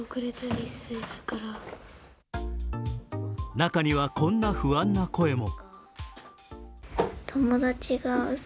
中にはこんな不安な声も。